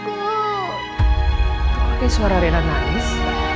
kenapa suara rena nangis